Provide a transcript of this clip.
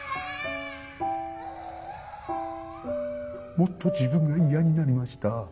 もっと自分が嫌になりました。